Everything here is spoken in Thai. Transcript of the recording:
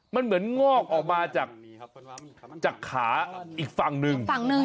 มันเหมือนงอกออกมาจากขาอีกฝั่งนึง